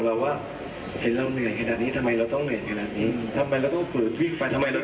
เอาถ้ามันเหนื่อยมากมันทำไมไม่ขึ้นรถไปแล้วลูก